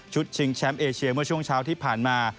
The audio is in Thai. ชิงแชมป์เอเชียเมื่อช่วงเช้าที่ผ่านมา